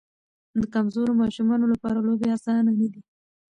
د کمزورو ماشومانو لپاره لوبې اسانه نه دي.